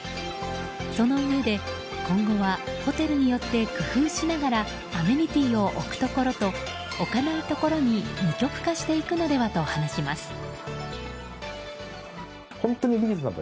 そのうえで、今後はホテルによって工夫しながらアメニティーを置くところと置かないところに二極化していくのではと話します。